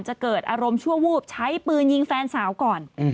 จะเกิดอารมณ์ชั่ววูบใช้ปืนยิงแฟนสาวก่อน